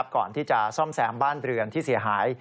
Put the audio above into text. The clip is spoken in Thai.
ก่อนที่จะซ่อมแซมบ้านเรือนที่เสียหาย